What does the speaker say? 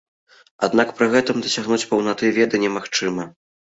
Аднак пры гэтым дасягнуць паўнаты веды немагчыма.